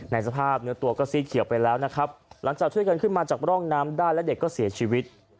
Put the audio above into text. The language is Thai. สภาพเนื้อตัวก็ซีดเขียวไปแล้วนะครับหลังจากช่วยกันขึ้นมาจากร่องน้ำได้และเด็กก็เสียชีวิต